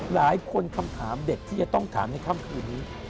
หลายคนคำถามเด็กที่จะต้องถามในคำคืนนี้